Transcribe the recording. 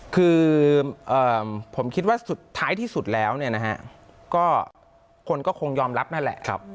คือผมคิดว่าสุดท้ายที่สุดแล้วเนี่ยนะฮะก็คนก็คงยอมรับนั่นแหละ